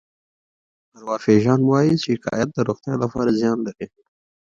ارواپيژان وايي شکایت د روغتیا لپاره زیان لري.